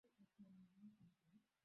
Unataka kuandika hiyo?